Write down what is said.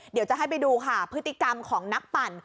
เดี๋ยวจะให้ไปดูค่ะพฤติกรรมของนักปั่น